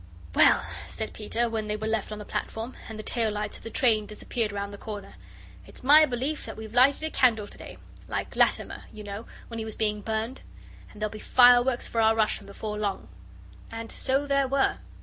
"Well," said Peter, when they were left on the platform, and the tail lights of the train disappeared round the corner, "it's my belief that we've lighted a candle to day like Latimer, you know, when he was being burned and there'll be fireworks for our Russian before long." And so there were.